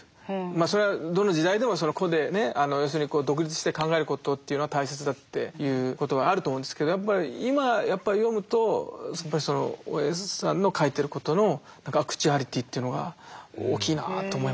それはどの時代でも個で独立して考えることっていうのは大切だっていうことはあると思うんですけどやっぱり今読むとその大江さんの書いてることのアクチュアリティーっていうのが大きいなと思いますね。